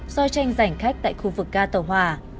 do tranh giành khách tại khu vực ga tàu hòa